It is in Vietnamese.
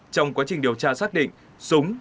trong quá trình điều tra xác định súng và khẩu súng